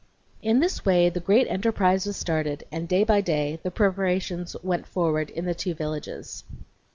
II In this way the great enterprise was started, and day by day the preparations went forward in the two villages.